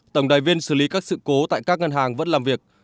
tổng đài viên xử lý các sự cố tại các ngân hàng vẫn làm việc